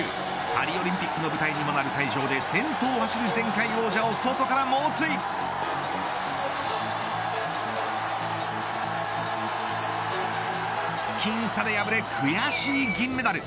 パリオリンピック舞台にもなる会場で先頭を走る前回女王を外から猛追僅差で敗れ悔しい銀メダル。